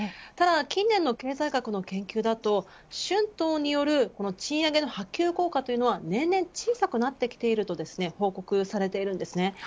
ただ、近年の経済学の研究だと春闘による賃上げの波及効果は年々小さくなってきていると報告されています。